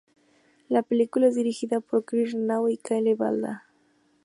La película es dirigida por Chris Renaud y Kyle Balda.